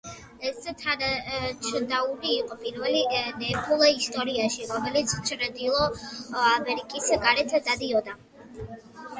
ეს თაჩდაუნი იყო პირველი ნფლ ისტორიაში, რომელიც ჩრდილო ამერიკის გარეთ დაიდო.